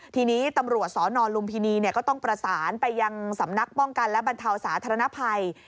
ทีนี้ตำรวจสนลุมพินีก็ต้องประสานไปยังสำนักป้องกันและบรรเทาสาธารณภัย